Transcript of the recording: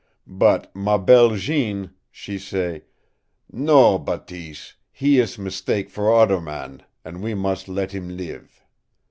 But MA BELLE Jeanne, she say, 'No, Bateese, he ees meestake for oder man, an' we mus' let heem live.'